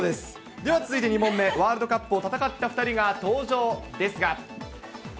では続いて２問目、ワールドカップを戦った２人が登場ですが。